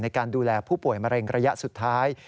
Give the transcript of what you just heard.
ในการดูแลผู้ป่วยมะเร็งระยะสุดท้าย